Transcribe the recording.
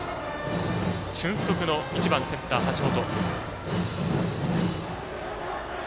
俊足の１番センター、橋本。